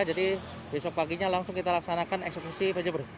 jadi besok paginya langsung kita laksanakan eksplosi pejabat